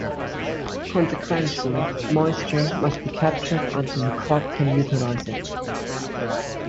Consequently, moisture must be captured until the crop can utilize it.